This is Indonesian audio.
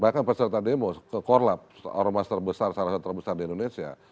bahkan peserta demo korlab orang orang terbesar salah satu terbesar di indonesia